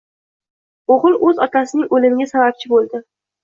o`g`il o`z otasining o`limiga sababchi bo`ldi